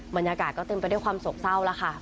บรรยากาศก็เต็มไปด้วยความโศกเศร้าแล้วค่ะ